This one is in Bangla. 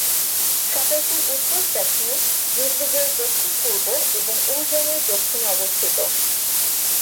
শহরটি উত্তর স্যাক্সনি, লিপজিগের দক্ষিণ-পূর্ব এবং উরজেনের দক্ষিণে অবস্থিত।